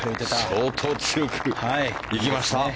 相当強くいきました。